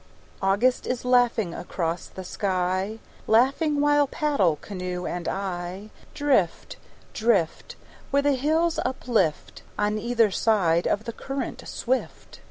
August is laughing across the sky, Laughing while paddle, canoe and I, Drift, drift, Where the hills uplift On either side of the current swift.